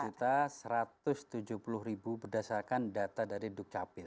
satu satu ratus tujuh puluh berdasarkan data dari dukcapil